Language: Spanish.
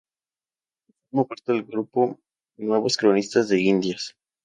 Forma parte del grupo Nuevos Cronistas de Indias.